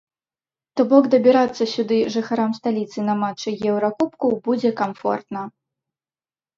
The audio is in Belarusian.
То бок дабірацца сюды жыхарам сталіцы на матчы еўракубкаў будзе камфортна.